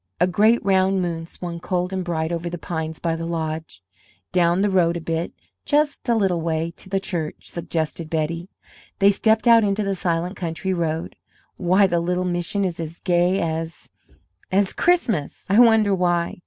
A great round moon swung cold and bright over the pines by the lodge. "Down the road a bit just a little way to the church," suggested Betty. They stepped out into the silent country road. "Why, the little mission is as gay as as Christmas! I wonder why?"